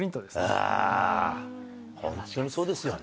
本当にそうですよね。